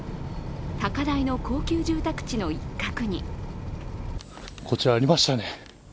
高台の高級住宅地の一角にこちら、ありましたね。